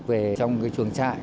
về trong trường trại